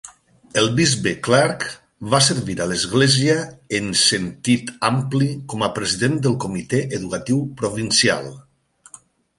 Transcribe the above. El bisbe Clarke va servir a l"església en senti ampli com a president del Comitè educatiu provincial.